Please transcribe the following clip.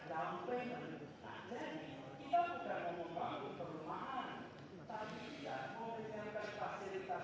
jadi kita bukan membantu perumahan tapi kita mau berikan fasilitas kredit untuk warga jakarta agar mereka bisa memiliki uang